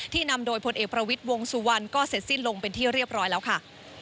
ที่นำโดยผลเอกประวิทวงศ์ซูวันก็เสด็จลงเป็นที่เรียบร้อยแล้วค่ะ